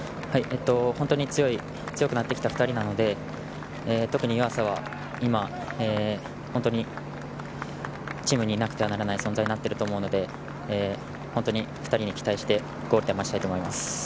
本当に強くなってきた２人なので特に湯浅は本当にチームになくてはならない存在になっていると思うので本当に２人に期待してゴールで待ちたいと思います。